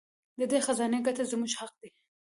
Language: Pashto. د دې خزانې ګټه زموږ حق دی.